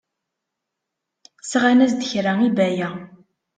Sɣan-as-d kra i Baya.